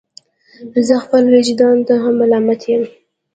زه خپل ویجدان ته هم ملامت یم.